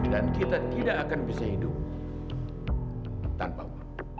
dan kita tidak akan bisa hidup tanpa uang